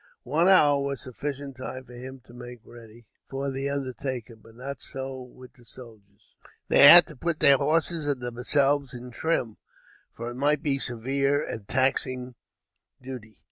One hour was sufficient time for him to make ready for the undertaking, but not so with the soldiers. They had to put their horses and themselves in trim, for it might be severe and taxing duty.